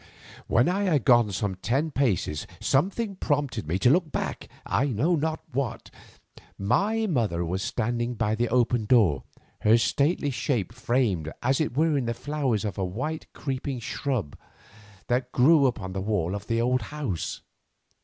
When I had gone some ten paces something prompted me to look back, I know not what. My mother was standing by the open door, her stately shape framed as it were in the flowers of a white creeping shrub that grew upon the wall of the old house.